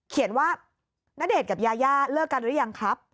เขียนว่าณเดชน์กับยายาเลิกกันหรือยังครับ